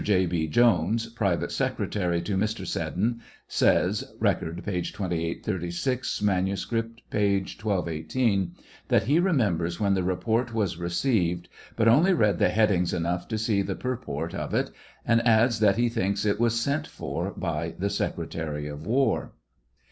J. B. Jones, private secretary to Mr. Seddon, says (Record, p. 2836 ; munuscript, p. 1218,) that he remepabers wlien the report was received, but only read the headings enough to see the purport of it; and adds that he thinks it was sent for by the secretary of war.